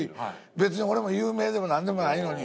別に俺も有名でも何でもないのに。